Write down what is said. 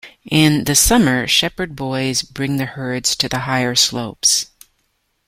In the summer shepherd boys bring the herds to the higher slopes.